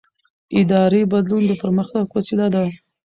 اداري بدلون د پرمختګ وسیله ده